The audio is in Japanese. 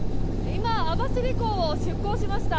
今、網走港を出港しました。